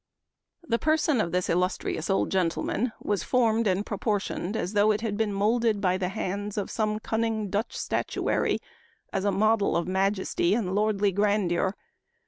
" The person of this illustrious old gentleman was formed and proportioned as though it had been molded by the hands of some cunning Dutch statuary as a model of majesty and lordly grandeur.